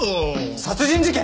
殺人事件！？